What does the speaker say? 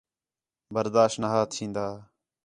برداش نا ہا تِھین٘دا